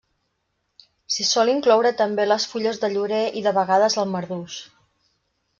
S'hi sol incloure també les fulles de llorer i de vegades el marduix.